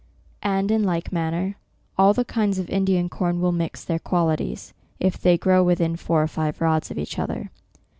And in like manner, all the kinds of Indian corn will mix their qualities, if they grow within four or five rods of each other.